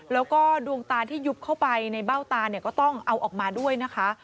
แล้วก็ดวงตาที่ยุบเข้าไปในเบ้าตาเนี่ยก็ต้องเอาออกมาด้วยนะคะ